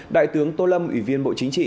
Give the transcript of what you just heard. đại tướng tô lâm ủy viên bộ chính trị